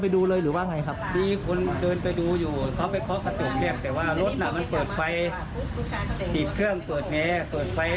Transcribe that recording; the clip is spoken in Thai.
ติดเครื่องเปิดแม้เปิดไฟอีกแล้ว